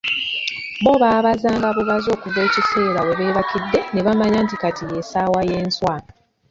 Bo baabazanga bubaza okuva ekiseera webeebakidde nebamanya nti kati ye ssaawa ey'enswa.